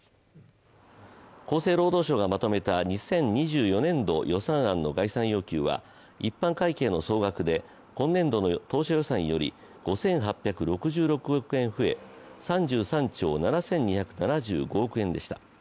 厚生労働省がまとめた２０２４年度予算案の概算要求は一般会計の総額で今年度の当初予算より５８６６億円増え３３兆７２７５億円でした。